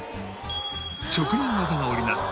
職人技が織り成す